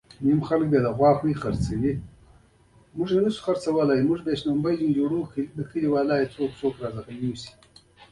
د نرخ تعدیل د خرڅ توازن ساتي.